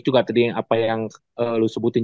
juga tadi apa yang lo sebutin